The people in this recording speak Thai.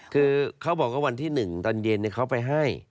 คือเขาบอกว่าวันที่๑ตอนเย็นเขาไปให้